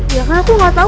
ya kan aku gak tau